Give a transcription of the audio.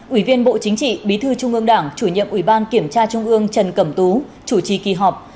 ủy viên bộ chính trị bí thư trung ương đảng chủ nhiệm ủy ban kiểm tra trung ương trần cẩm tú chủ trì kỳ họp